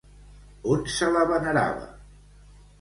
On se la venerava?